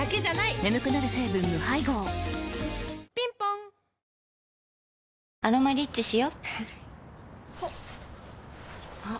眠くなる成分無配合ぴんぽん「アロマリッチ」しよ